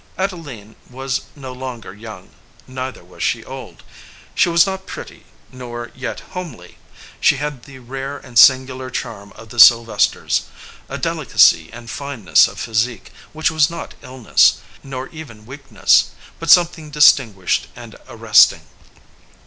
Adeline was no longer young ; neither was she old. She was not pretty, nor yet homely. She had the rare and singular charm of the Syl vesters ; a delicacy and fineness of physique which was not illness, nor even weakness, but something distinguished and arresting.